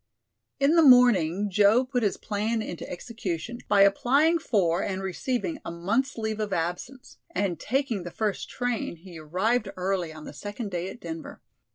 In the morning Joe put his plan into execution by applying for and receiving a month's leave of absence, and taking the first train, he arrived early on the second day at Denver.